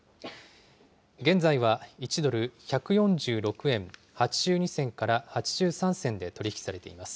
現在は１ドル１４６円８２銭から８３銭で取り引きされています。